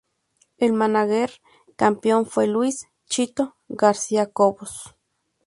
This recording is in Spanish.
El mánager campeón fue Luis "Chito" García Cobos.